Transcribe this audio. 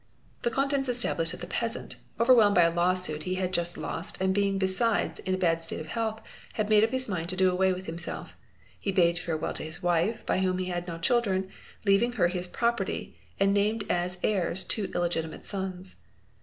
The contents established hat the peasant, overwhelmed by a law suit he had just lost and being esides in a bad state of health, had made up his mind to do away with limself; he bade farewell to his wife by whom he had had no children, leaying her his property, and named as heirs two illegitimate sons.